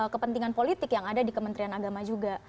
kepentingan politik yang ada di kementerian agama juga